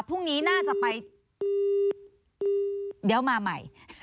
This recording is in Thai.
พรุ่งนี้น่าจะไป